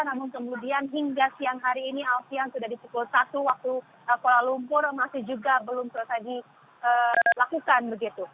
namun kemudian hingga siang hari ini alfian sudah di pukul satu waktu kuala lumpur masih juga belum selesai dilakukan begitu